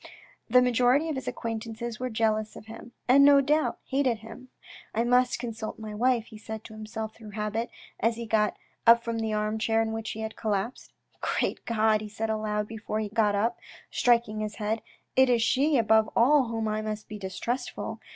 The majority of his acquaintances were jealous of him, and, no doubt, hated him. " I must consult my wife," he said to himself through habit, as he got up from the arm chair in which he had collapsed. " Great God !" he said aloud before he got up, striking his head, "it is she above all of whom I must be distrustful.